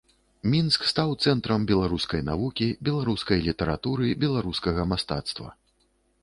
Мінск стаў цэнтрам беларускай навукі, беларускай літаратуры, беларускага мастацтва.